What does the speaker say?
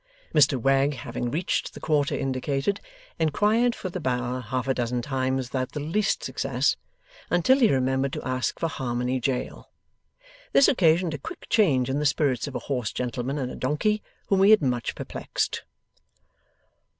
Mr Wegg, having reached the quarter indicated, inquired for the Bower half a dozen times without the least success, until he remembered to ask for Harmony Jail. This occasioned a quick change in the spirits of a hoarse gentleman and a donkey, whom he had much perplexed.